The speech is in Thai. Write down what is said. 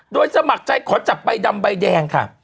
โดยสมัครใจขอจับใบดำใบแดงค่ะ